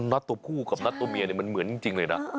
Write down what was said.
เนอร์ตรูผู้กับเมียมันเหมือนจริงเลยนะ